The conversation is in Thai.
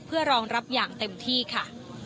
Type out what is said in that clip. เพื่อรองรับอย่างเต็มที่ค่ะ